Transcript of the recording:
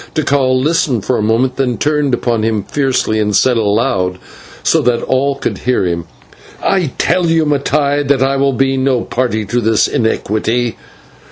Tikal listened for a moment, then turned upon him fiercely and said aloud, so that all could hear him: "I tell you, Mattai, that I will be no party to this iniquity.